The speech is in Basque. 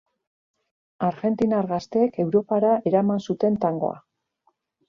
Argentinar gazteek Europara eraman zuten tangoa.